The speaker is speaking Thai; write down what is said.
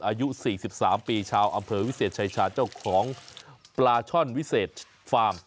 อายุ๔๓ปีชาวอำเภอวิเศษชายชาเจ้าของปลาช่อนวิเศษฟาร์ม